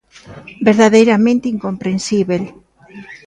Verdadeiramente incomprensíbel.